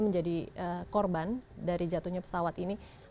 tapi nelpon bapak tahu brazil nié